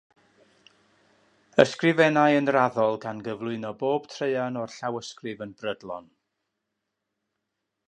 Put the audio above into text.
Ysgrifennai yn raddol gan gyflwyno bob traean o'r llawysgrif yn brydlon.